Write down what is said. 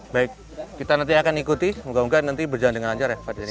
baik kita nanti akan ikuti mungkak mungkak nanti berjalan dengan anjar ya fadzani